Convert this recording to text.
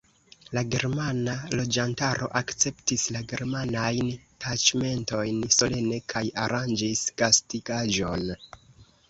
La germana loĝantaro akceptis la germanajn taĉmentojn solene kaj aranĝis gastigaĵon.